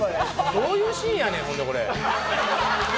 どういうシーンやねんほんでこれ。